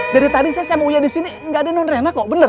dari tadi saya sama uya di sini gak ada nonton rena kok bener